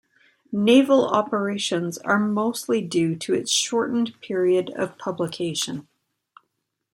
Naval Operations are mostly due to its shortened period of publication.